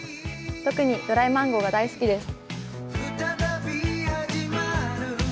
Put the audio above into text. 特にドライマンゴーが大好きです。